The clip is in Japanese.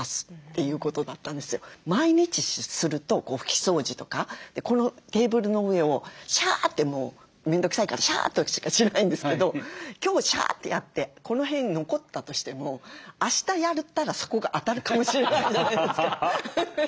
毎日すると拭き掃除とかこのテーブルの上をシャーッて面倒くさいからシャーッとしかしないんですけど今日シャーッてやってこの辺残ったとしてもあしたやったらそこが当たるかもしれないじゃないですか。